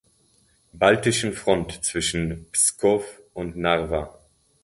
Baltischen Front zwischen Pskow und Narva.